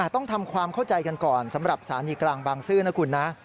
ต้องทำความเข้าใจกันก่อนสำหรับสถานีกลางบางซื่อนะคุณนะ